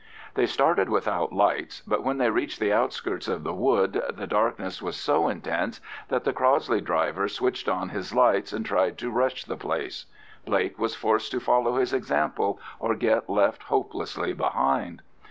They started without lights, but when they reached the outskirts of the wood the darkness was so intense that the Crossley driver switched on his lights and tried to rush the place. Blake was forced to follow his example, or get left hopelessly behind.